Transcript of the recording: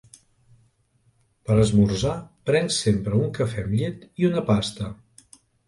Per esmorzar, prenc sempre un cafè amb llet i una pasta.